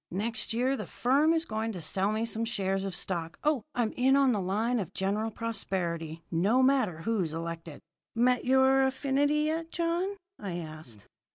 Next year the firm is going to sell me some shares of stock. Oh, I'm in on the line of General Prosperity, no matter who's elected!" "Met your affinity yet, John?" I asked.